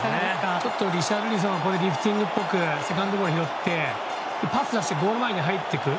ちょっとリシャルリソンリフティングっぽくセカンドボール拾ってパスを出してゴール前に入っていく。